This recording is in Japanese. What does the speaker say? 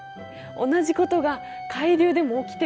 同じことが海流でも起きてるのよ。